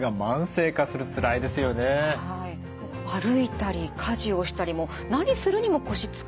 歩いたり家事をしたりもう何するにも腰使いますからね。